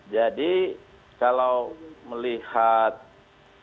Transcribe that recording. jadi kalau melihat peraturan yang ada di sini